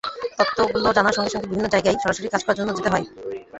তত্ত্বগুলো জানার সঙ্গে সঙ্গে বিভিন্ন জায়গায় সরাসরি কাজ করার জন্য যেতে হয়।